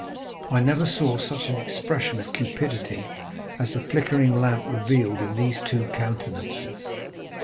I never saw such an expression of cupidity as the flickering lamp revealed in those two countenances.